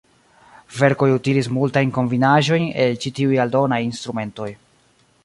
Verkoj utilis multajn kombinaĵojn el ĉi tiuj aldonaj instrumentoj.